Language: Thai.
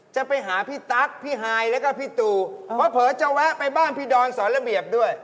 จะไปหาพี่ตั๊กพี่ฮายแล้วก็พี่ตูเพราะเผลอจะแวะไปบ้านพี่ดอนสอนระเบียบด้วย